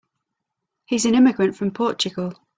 He's an immigrant from Portugal.